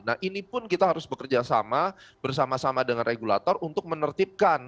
nah ini pun kita harus bekerja sama bersama sama dengan regulator untuk menertibkan